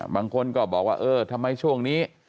บางคนก็บอกว่าเออทำไมช่วงนี้